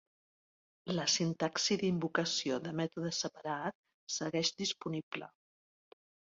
La sintaxi d'invocació de mètode separat segueix disponible.